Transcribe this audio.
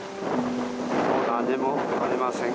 何もありません